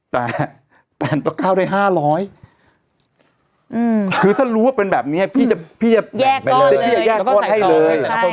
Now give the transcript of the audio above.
แต่แผ่นปลาข้าวได้๕๐๐คือถ้ารู้ว่าเป็นแบบนี้พี่จะแยกก้อนให้เลย